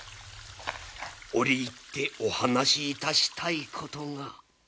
折り入ってお話しいたしたいことが。